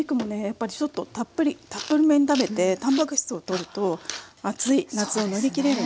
やっぱりちょっとたっぷりめに食べてたんぱく質をとると暑い夏を乗り切れるので。